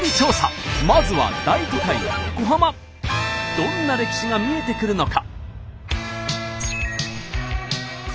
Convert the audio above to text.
どんな歴史が見えてくるのか？